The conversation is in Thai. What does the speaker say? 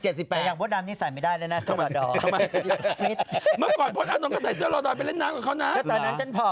อย่างโมร์ดอะนมนี่ใส่ไม่ได้เลยนะเสื้อลอดอล